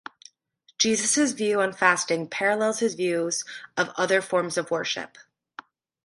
Jesus' views on fasting parallels his views of other forms of worship.